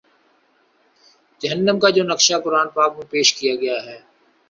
جہنم کا جو نقشہ قرآن پاک میں پیش کیا گیا ہے